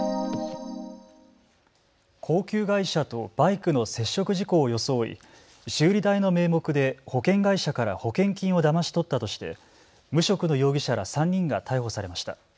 高級外車とバイクの接触事故を装い、修理代の名目で保険会社から保険金をだまし取ったとして無職の容疑者ら３人が逮捕されました。